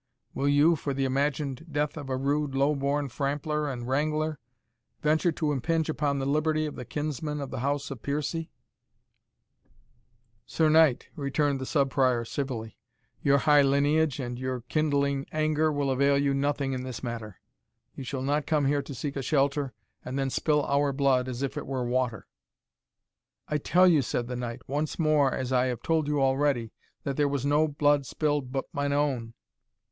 will you, for the imagined death of a rude, low born frampler and wrangler, venture to impinge upon the liberty of the kinsman of the house of Piercie?" "Sir Knight," returned the Sub Prior, civilly, "your high lineage and your kindling anger will avail you nothing in this matter You shall not come here to seek a shelter, and then spill our blood as if it were water." "I tell you," said the knight, "once more, as I have told you already, that there was no blood spilled but mine own!"